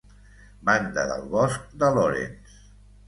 Banda del bosc de Lawrence.